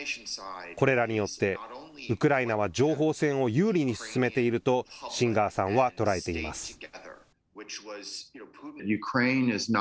これらによってウクライナは情報戦を有利に進めているとシンガーさんは捉えています。